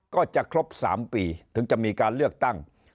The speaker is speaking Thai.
ก็จะครบ๓ปีถึงจะมีการเลือกตั้ง